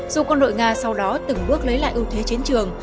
dù quân đội nga sau đó từng bước lấy lại ưu thế chiến trường